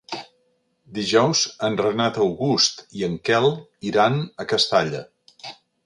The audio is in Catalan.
Dijous en Renat August i en Quel iran a Castalla.